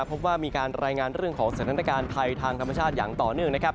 พบว่ามีการรายงานเรื่องของสถานการณ์ภัยทางธรรมชาติอย่างต่อเนื่องนะครับ